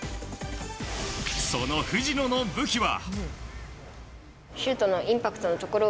その藤野の武器は。